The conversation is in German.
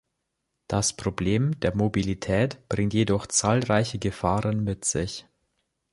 Das Problem der Mobilität bringt jedoch zahlreiche Gefahren mit sich.